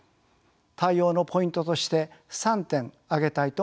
対応のポイントとして３点挙げたいと思います。